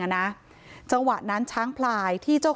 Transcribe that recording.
จังหวัดนั้นช้างพลายที่เจ้าของปางช้าง